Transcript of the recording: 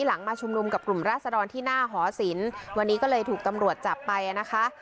หลังมาชุมนุมกับกลุ่มราศดรที่หน้าหอศิลป์วันนี้ก็เลยถูกตำรวจจับไปนะคะ